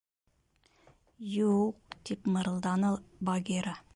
— Юҡ, — тип мырылданы Багира.